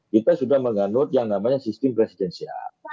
kita sudah menganut yang namanya sistem presidensial